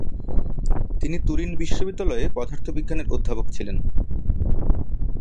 তিনি তুরিন বিশ্ববিদ্যালয়ে পদার্থবিজ্ঞানের অধ্যাপক হন।